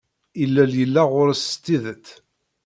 Ilel yella yers s tidet.